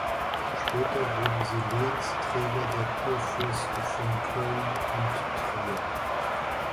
Später wurden sie Lehensträger der Kurfürsten von Köln und Trier.